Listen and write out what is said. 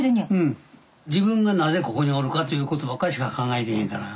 自分がなぜここにおるかという事ばっかりしか考えてへんから。